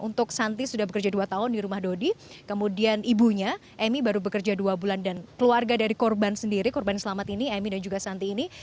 untuk santi sudah bekerja dua tahun di rumah dodi kemudian ibunya emi baru bekerja dua bulan dan keluarga dari korban sendiri korban selamat ini emi dan juga santi ini